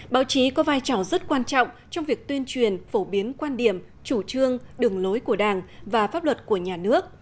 báo chí có vai trò rất quan trọng trong việc tuyên truyền phổ biến quan điểm chủ trương đường lối của đảng và pháp luật của nhà nước